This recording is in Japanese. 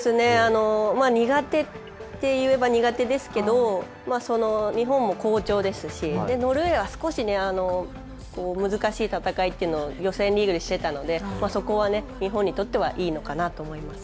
苦手といえば苦手ですけれど日本も好調ですしノルウェーは少し難しい戦い、予選リーグでしていたので、そこは日本にとってはいいのかなと思います。